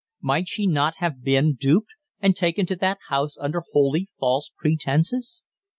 Might she not have been duped, and taken to that house under wholly false pretences?